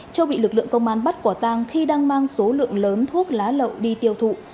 châu bị lực lượng công an bắt quả tang khi đang mang số lượng lớn thuốc lá lậu đi tiêu thụ